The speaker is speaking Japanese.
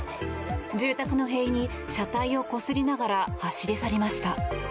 住宅の塀に車体をこすりながら走り去りました。